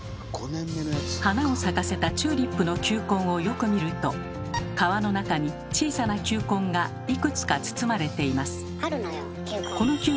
花を咲かせたチューリップの球根をよく見ると皮の中に小さな球根がいくつか包まれています。